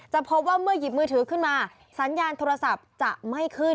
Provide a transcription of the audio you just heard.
พบว่าเมื่อหยิบมือถือขึ้นมาสัญญาณโทรศัพท์จะไม่ขึ้น